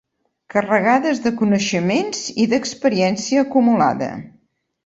Carregades de coneixements i d'experiència acumulada.